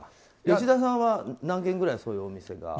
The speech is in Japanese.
吉田さんは何軒くらい、そういうお店が？